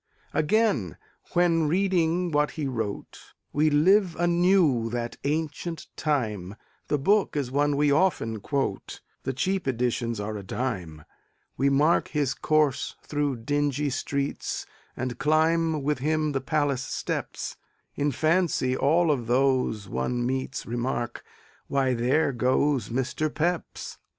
Again, when reading what he wrote, We live anew that ancient time (The book is one we often quote The cheap editions are a dime); We mark his course through dingy streets And climb with him the palace steps; In fancy all of those one meets Remark: "Why, there goes Mr. Pepys!"